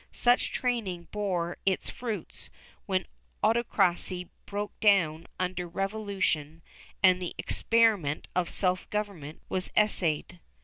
Such training bore its fruits when autocracy broke down under the Revolution and the experiment of self government was essayed.